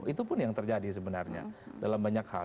itu pun yang terjadi sebenarnya dalam banyak hal